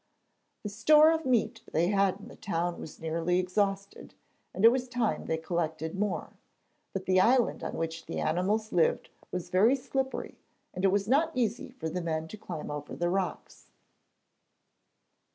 The store of meat they had in the town was nearly exhausted, and it was time they collected more; but the island on which the animals lived was very slippery, and it was not easy for the men to climb over the rocks.